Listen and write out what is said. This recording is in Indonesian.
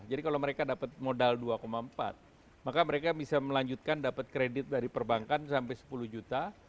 jadi kalau mereka dapat modal dua empat maka mereka bisa melanjutkan dapat kredit dari perbankan sampai sepuluh juta